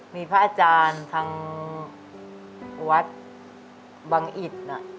มีพระอาจารย์ทางวัดบังอิต